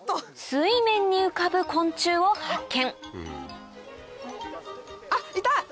水面に浮かぶ昆虫を発見あっいた！